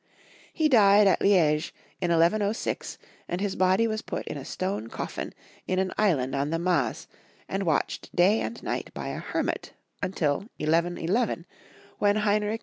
He died at Lidge, in 1106, and his body was put in a stone coffin in an island on the Maas, and watched day and night by a hermit tUl 1111, when Heinrich V.